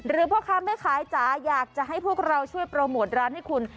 พ่อค้าแม่ขายจ๋าอยากจะให้พวกเราช่วยโปรโมทร้านให้คุณ